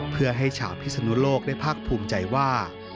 เพื่อให้ชาวพิศนุโลกได้ภาคภูมิใจว่า